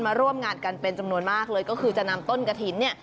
ร่วมงานกันเป็นจำนวนมากเลยก็คือจะนำต้นกระถิ่นเนี่ย